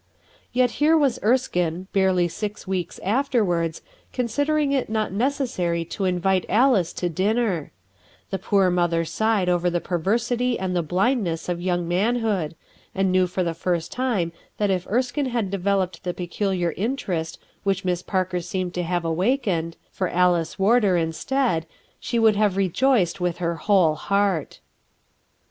Yet here was Erskinc, barely six weeks after wards, considering it not necessary to invite Alice to dinner 1 The poor mother sighed over the perversity and the blindness of young man hood, and knew for the first time that if Erskine had developed the peculiar interest which Miss Parker seemed to have awakened, for Alice Warder, instead, she could have rejoiced with her whole heart.